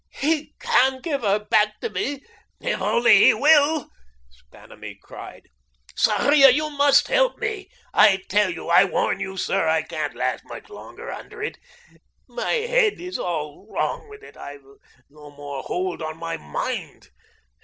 "He can give her back to me if He only will," Vanamee cried. "Sarria, you must help me. I tell you I warn you, sir, I can't last much longer under it. My head is all wrong with it I've no more hold on my mind.